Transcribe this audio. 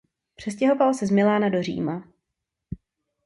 Přestěhoval se z Milána do Říma.